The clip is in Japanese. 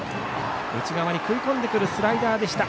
内側に食い込んでくるスライダーでした。